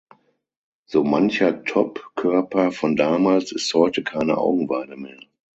So mancher Top-Körper von damals ist heute keine Augenweide mehr.